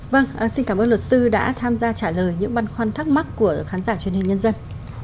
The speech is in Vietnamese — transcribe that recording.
vâng xin cảm ơn luật sư đã tham gia trả lời những băn khoăn thắc mắc của khán giả truyền hình nhân dân